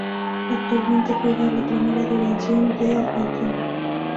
Actualmente juega en la Primera División de Argentina.